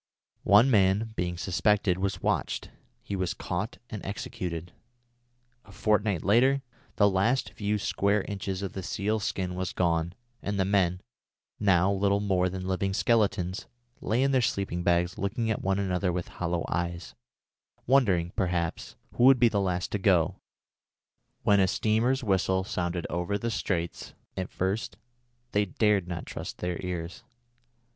One man, being suspected, was watched. He was caught and executed. A fortnight later, the last few square inches of the seal's skin was gone, and the men, now little more than living skeletons, lay in their sleeping bags looking at one another with hollow eyes, wondering, perhaps, who would be the last to go, when a steamer's whistle sounded over the straits. At first they dared not trust their ears.